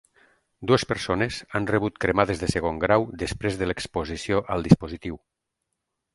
Dues persones han rebut cremades de segon grau després de l'exposició al dispositiu.